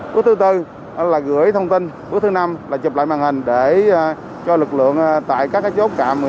cuối thứ tư là gửi thông tin bước thứ năm là chụp lại màn hình để cho lực lượng tại các chốt trạm